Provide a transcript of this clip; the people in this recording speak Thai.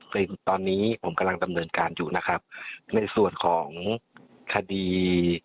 ในตอนนี้ผมกำลังดำเนินการอยู่นะครับในส่วนของคดี